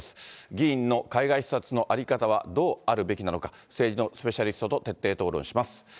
議員の海外視察の在り方はどうあるべきなのか、政治のスペシャリストと徹底討論します。